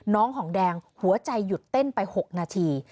ของแดงหัวใจหยุดเต้นไป๖นาที